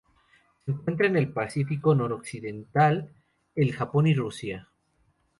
Se encuentra en el Pacífico noroccidental: el Japón y Rusia.